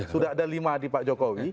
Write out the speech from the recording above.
sudah ada lima di pak jokowi